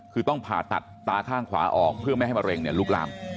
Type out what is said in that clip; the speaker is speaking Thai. คือต้องผ่าตัดตาข้างขวาออกเพื่อไม่ให้มะเร็งลุกลาม